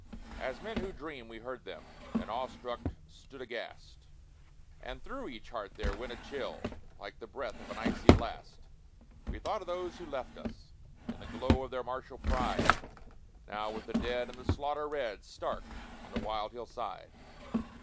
As men who dream, we heard them, And awestruck, stood aghast; And through each heart there went a chill Like the breath of an icy blast; We thought of those who left us In the glow of their martial pride, Now with the dead in the slaughter red, Stark on the wild hill side.